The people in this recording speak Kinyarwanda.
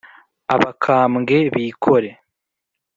abakambwe bikore